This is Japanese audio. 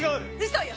嘘よ！